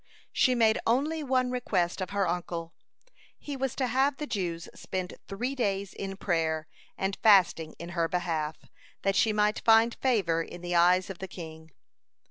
She made only one request of her uncle. He was to have the Jews spend three days in prayer and fasting in her behalf, that she might find favor in the eyes of the king.